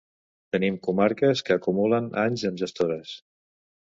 Tenim comarques que acumulen anys amb gestores.